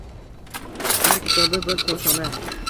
Har kitobi – bir koshona